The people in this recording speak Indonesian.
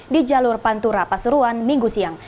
di jalur pantura pasuruan minggu siang